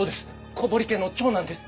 小堀家の長男です。